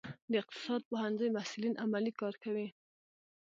د اقتصاد پوهنځي محصلین عملي کار کوي؟